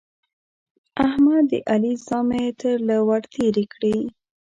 احمد د علي زامې تر له ور تېرې کړې.